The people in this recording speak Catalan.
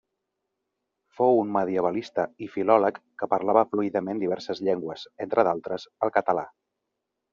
Fou un medievalista i filòleg que parlava fluidament diverses llengües, entre d'altres el català.